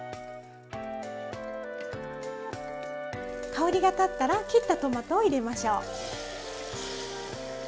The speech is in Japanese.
香りが立ったら切ったトマトを入れましょう。